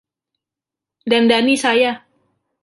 Dandani saya!